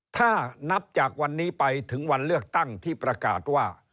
ถ้านับจากวันนี้ไปถึงวันเลือกตั้งที่ประกาศว่า